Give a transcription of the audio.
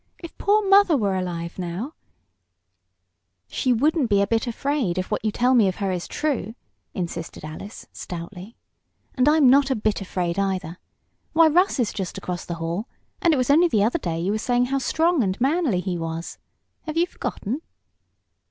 If poor mother were alive now " "She wouldn't be a bit afraid, if what you tell me of her is true!" insisted Alice, stoutly. "And I'm not a bit afraid, either. Why, Russ is just across the hall, and it was only the other day you were saying how strong and manly he was. Have you forgotten?"